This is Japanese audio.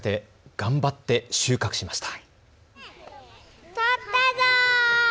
頑張って収穫しました。